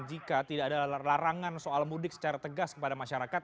jika tidak ada larangan soal mudik secara tegas kepada masyarakat